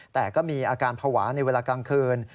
แต่ก็มีอาการภาวะในเวลากลางคืน